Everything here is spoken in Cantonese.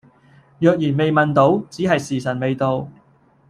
若然未問到，只係時晨未到